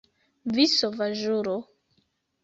Vi sovaĝulo!